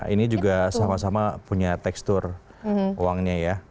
ini juga sama sama punya tekstur uangnya ya